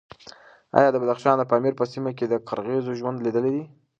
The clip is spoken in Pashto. ایا د بدخشان د پامیر په سیمه کې د قرغیزو ژوند لیدلی دی؟